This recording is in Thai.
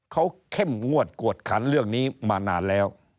เขาเข้มงวดกวดขันเรื่องนี้มานานแล้ว